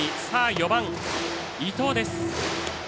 ４番、伊藤です。